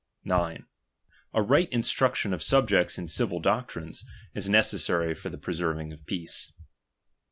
9. A right instruction of suhjecls in civil doctrines, is necessary for the preserving of peace.